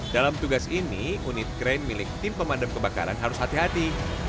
dalam tugas ini unit krain milik tim pemadam kebakaran harus hati hati